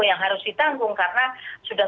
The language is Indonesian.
yang harus ditanggung karena sudah